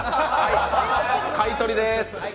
買い取りでーす。